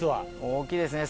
大きいですね。